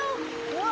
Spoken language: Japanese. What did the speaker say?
うわ！